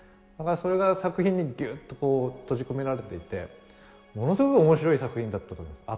それが作品にギュッとこう閉じ込められていてものすごく面白い作品だったと思います。